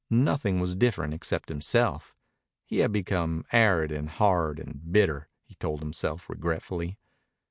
Nothing was different except himself. He had become arid and hard and bitter, he told himself regretfully.